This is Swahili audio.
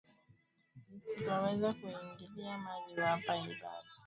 lisiloweza kuingilia maji huwapa idadi iliyobaki baadhi ya